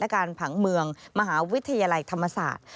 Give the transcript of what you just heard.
การผังเมืองมหาวิทยาลัยธรรมศาสตร์